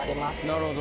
なるほど。